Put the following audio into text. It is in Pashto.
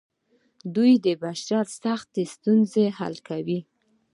دوی د بشر سختې ستونزې حل کوي.